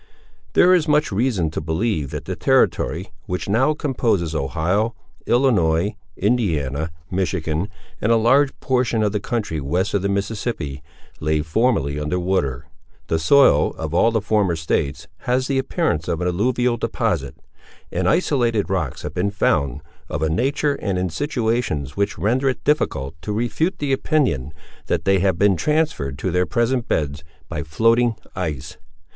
There is much reason to believe, that the territory which now composes Ohio, Illinois, Indiana, Michigan, and a large portion of the country west of the Mississippi, lay formerly under water. The soil of all the former states has the appearance of an alluvial deposit; and isolated rocks have been found, of a nature and in situations which render it difficult to refute the opinion that they have been transferred to their present beds by floating ice.